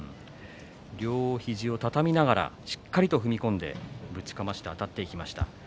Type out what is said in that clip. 両肘を畳みながらしっかりと踏み込んでぶちかましてあたっていきました。